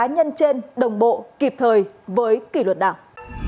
nhân trên đồng bộ kịp thời với kỷ luật đảng